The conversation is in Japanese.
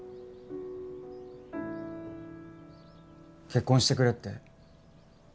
結婚してくれって？